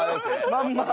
まんま。